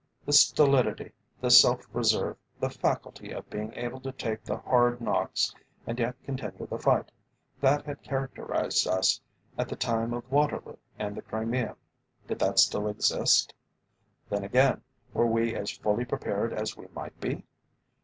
The stolidity, the self reserve, the faculty of being able to take the hard knocks and yet continue the fight, that had characterised us at the time of Waterloo and the Crimea, did that still exist? Then again, were we as fully prepared as we might be?